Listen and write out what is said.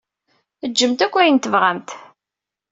Ččemt akk ayen i tebɣamt.